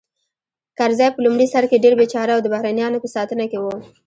کرزی په لومړي سر کې ډېر بېچاره او د بهرنیانو په ساتنه کې و